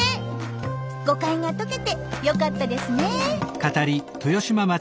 誤解が解けてよかったですね。